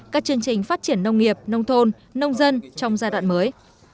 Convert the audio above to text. các chương trình phát triển nông nghiệp nông thôn nông dân trong giai đoạn mới